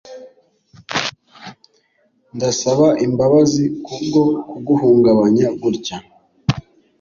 ndasaba imbabazi kubwo kuguhungabanya gutya